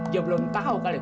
dia belum tau kali